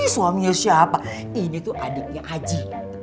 suaminya siapa ini tuh adiknya aji